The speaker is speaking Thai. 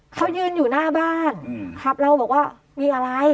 เขายืนอยู่หน้าบ้านครับเราบอกว่ามีอะไร